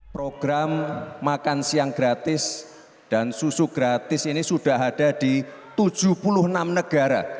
program makan siang gratis dan susu gratis ini sudah ada di tujuh puluh enam negara